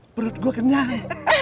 perut gue kenyang